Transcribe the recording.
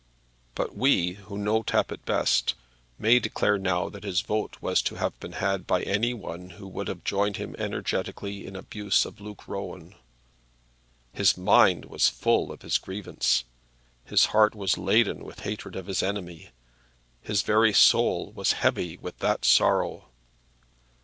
But we, who know Tappitt best, may declare now that his vote was to have been had by any one who would have joined him energetically in abuse of Luke Rowan. His mind was full of his grievance. His heart was laden with hatred of his enemy. His very soul was heavy with that sorrow.